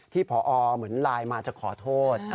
ผอเหมือนไลน์มาจะขอโทษ